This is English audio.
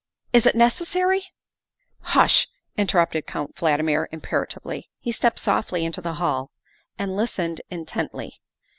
Is it necessary "" Hush," interrupted Count Valdmir imperatively. He stepped softly into the hall and listened intently.